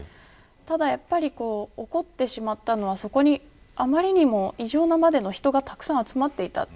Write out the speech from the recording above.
ただ、やっぱり起こってしまったのはあまりにも異常なまでに人が集まっていた。